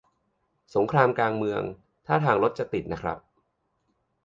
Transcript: สงครามกลางเมือง ท่าทางรถจะติดนะครับ